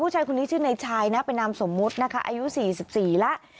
ชายคนนี้ชื่อในชายนะเป็นนามสมมุตินะคะอายุ๔๔แล้ว